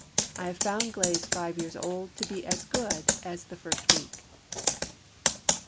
I have found glaze five years old as good as the first week. II.